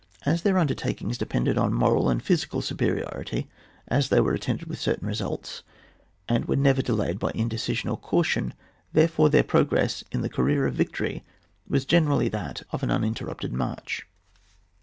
As their undertak ings depended on moral and physical superiority, as they were attended with certain results, and were never delayed by indecision or caution, therefore their progress in the career of victory was generally that of an uninterrupted march.